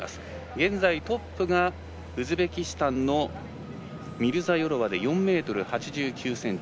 現在トップがウズベキスタンのミルザヨロワで４ｍ８９ｃｍ。